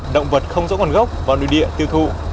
động vật không rỗng hoàn gốc vào nơi địa tiêu thụ